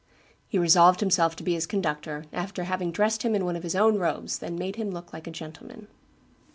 He resolved himself to be his conductor, after having dressed him in one of his own robes and made him look like a gentleman.